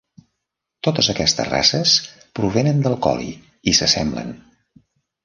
Totes aquestes races provenen del Collie i s'assemblen.